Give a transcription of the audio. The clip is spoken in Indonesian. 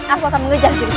aku akan mengejar judulnya